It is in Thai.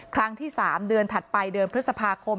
ครั้งที่๓เดือนถัดไปเดือนพฤษภาคม